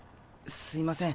すいません